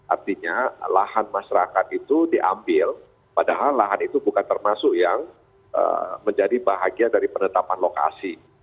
artinya lahan masyarakat itu diambil padahal lahan itu bukan termasuk yang menjadi bahagia dari penetapan lokasi